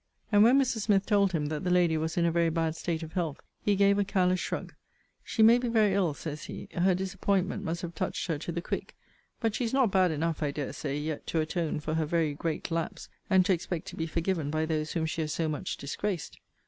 And when Mrs. Smith told him that the lady was in a very bad state of health, he gave a careless shrug She may be very ill, says he: her disappointments must have touched her to the quick: but she is not bad enough, I dare say, yet, to atone for her very great lapse, and to expect to be forgiven by those whom she has so much disgraced.